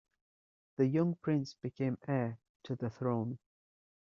The young prince became heir to the throne.